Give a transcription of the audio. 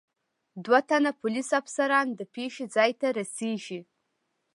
دو تنه پولیس افسران د پېښې ځای ته رسېږي.